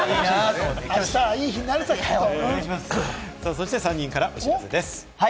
そして３人からお知らせです。